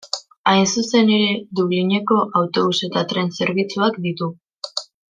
Hain zuzen ere Dublineko autobus eta tren zerbitzuak ditu.